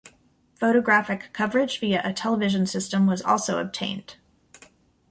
Photographic coverage via a television system was also obtained.